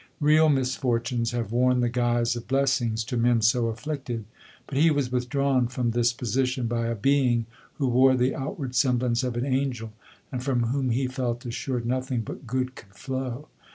J12 LODORE. Real misfortunes have worn the guise of bless ings to men so afflicted, but he was withdrawn from this position, by a being who wore the out ward semblance of an angel, and from whom he felt assured nothing but good could flow.